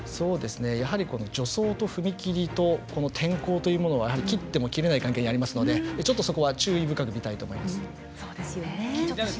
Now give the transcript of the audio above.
やはり助走と踏み切りと天候というものは切っても切れない関係にありますのでちょっとそこは注意深く見たいと思います。